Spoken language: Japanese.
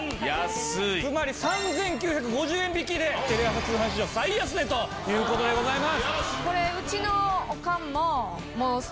つまり３９５０円引きでテレ朝通販史上最安値という事でございます。